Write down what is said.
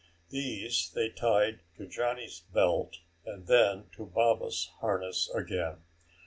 These they tied to Johnny's belt and then to Baba's harness again.